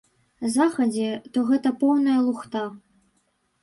Захадзе, то гэта поўная лухта.